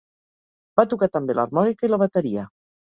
Va tocar també l'harmònica i la bateria.